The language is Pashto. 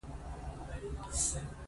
عبادت نيک عمل نيک خوي او اخلاق